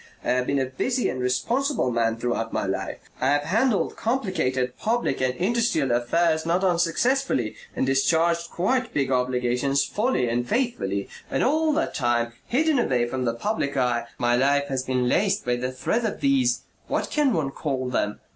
I have been a busy and responsible man throughout my life. I have handled complicated public and industrial affairs not unsuccessfully and discharged quite big obligations fully and faithfully. And all the time, hidden away from the public eye, my life has been laced by the thread of these what can one call them?